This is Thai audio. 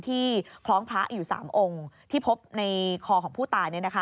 คล้องพระอยู่๓องค์ที่พบในคอของผู้ตาย